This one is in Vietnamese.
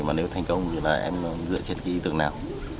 mà nếu thành công thì là em dựa trên cái ý tưởng nào